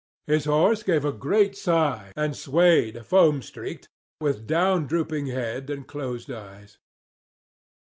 His horse gave a great sigh and swayed foam streaked, with down drooping head and closed eyes.